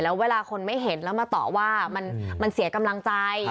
แล้วเวลาคนไม่เห็นแล้วมาต่อว่ามันเสียกำลังใจ